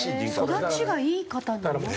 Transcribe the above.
育ちがいい方なの？